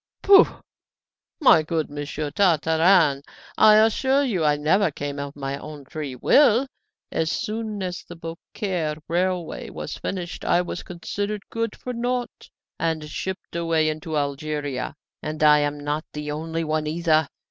"Pooh! my good Monsieur Tartarin, I assure you I never came of my own free will. As soon as the Beaucaire railway was finished I was considered good for nought, and shipped away into Algeria. And I am not the only one either!